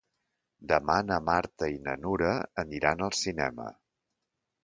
Demà na Marta i na Nura aniran al cinema.